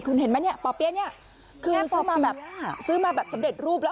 คุณเห็นไหมเนี่ยป่อเปี้ยเนี่ยซื้อมาแบบสำเร็จรูปแล้ว